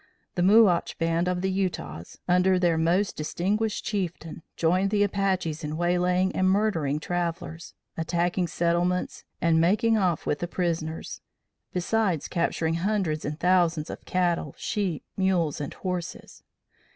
The Muache band of Utahs, under their most distinguished chieftain, joined the Apaches in waylaying and murdering travellers, attacking settlements and making off with the prisoners, besides capturing hundreds and thousands of cattle, sheep, mules and horses.